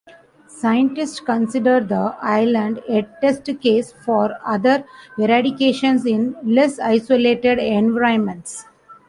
Scientists considered the island a test case for other eradications in less isolated environments.